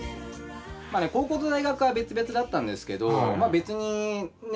高校と大学は別々だったんですけど別にね